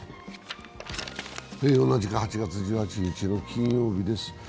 同じく８月１８日の金曜日です。